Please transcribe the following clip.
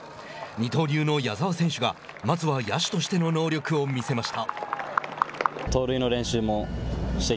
二刀流の矢澤選手がまずは野手としての能力を見せました。